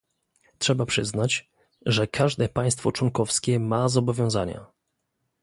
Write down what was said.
Trzeba przyznać, że każde państwo członkowskie ma zobowiązania